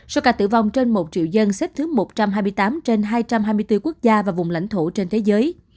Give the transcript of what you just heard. số ca tử vong trên một triệu dân xếp thứ một trăm hai mươi tám trên hai trăm hai mươi bốn quốc gia và vùng lãnh thổ trên thế giới